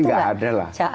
itu nggak ada lah